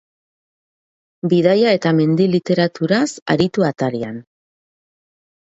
Bidaia eta mendi literaturaz aritu atarian.